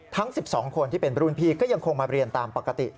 ทั้ง๑๒คนที่เป็นรุ่นพี่ก็ยังคงมาเรียนตามปกติ